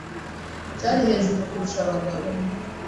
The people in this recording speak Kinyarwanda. cyari hejuru kurusha abagabo.